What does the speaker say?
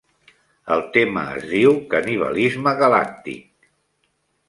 El tema es diu "canibalisme galàctic".